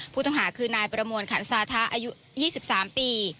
ผู้ต้องหาคือนายประมวลขันสาธะอายุ๒๓ปี